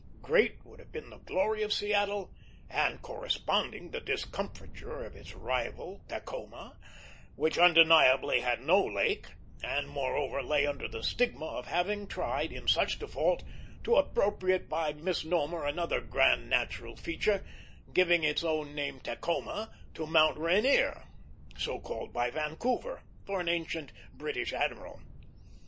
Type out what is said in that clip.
Great would have been the glory of Seattle, and corresponding the discomfiture of its rival Tacoma, which undeniably had no lake, and, moreover, lay under the stigma of having tried, in such default, to appropriate by misnomer another grand natural feature; giving its own name Tacoma to Mount Rainier, so called by Vancouver for an ancient British admiral.